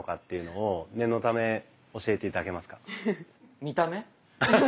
見た目。